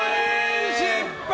失敗！